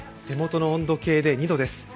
手元の温度計で２度です。